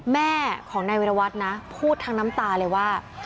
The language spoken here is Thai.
แม่ของนายวิรวัตรนะพูดทั้งน้ำตาเลยว่า